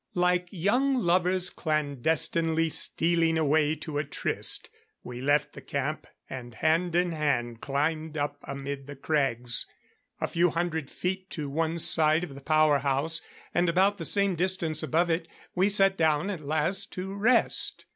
Like young lovers clandestinely stealing away to a tryst, we left the camp and hand in hand, climbed up amid the crags. A few hundred feet to one side of the power house, and about the same distance above it, we sat down at last to rest.